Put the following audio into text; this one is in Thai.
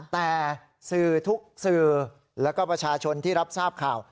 แต่สื่อทุกสื่อแล้วก็ประชาชนที่รับทราบข่าว